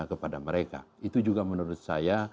kepada mereka itu juga menurut saya